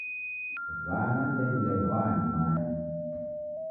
W'ana ndew'ileghwaa ni mae